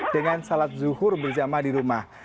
dengan salat zuhur berjamaah di rumah